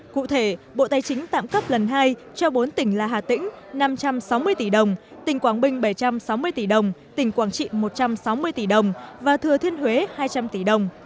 cụ thể bộ tài chính tạm cấp lần hai cho bốn tỉnh là hà tĩnh năm trăm sáu mươi tỷ đồng tỉnh quảng bình bảy trăm sáu mươi tỷ đồng tỉnh quảng trị một trăm sáu mươi tỷ đồng và thừa thiên huế hai trăm linh tỷ đồng